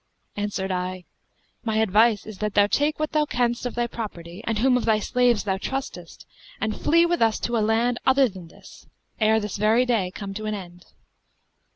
Answered I, 'My advice is that thou take what thou canst of thy property and whom of thy slaves thou trustest, and flee with us to a land other than this, ere this very day come to an end.'